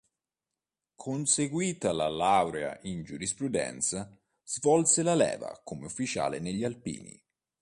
Conseguita la laurea in giurisprudenza, svolse la leva come ufficiale negli alpini.